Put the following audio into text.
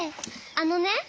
あのね。